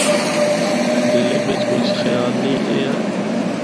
دلے بچ کجھ خیال نینھ ایہا۔